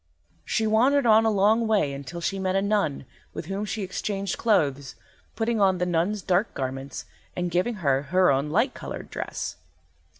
She wandered on a long way until she met a nun, with whom she exchanged clothes, putting on the nun's dark garments and giving her her own light coloured dress.